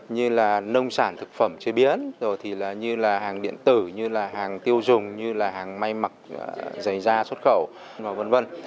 như là nông sản thực phẩm chế biến rồi thì là như là hàng điện tử như là hàng tiêu dùng như là hàng may mặc giày da xuất khẩu v v